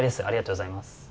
ありがとうございます。